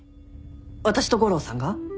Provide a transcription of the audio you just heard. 私と悟郎さんが？